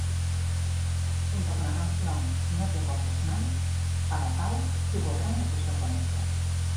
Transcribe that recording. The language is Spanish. Junto con la canción "No te portes mal"; "Para Pau" tuvo gran difusión comercial.